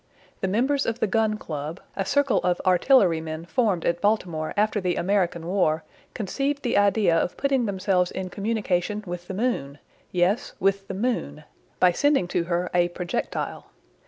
The members of the Gun Club, a circle of artillerymen formed at Baltimore after the American war, conceived the idea of putting themselves in communication with the moon!—yes, with the moon—by sending to her a projectile.